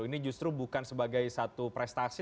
ini justru bukan sebagai satu prestasi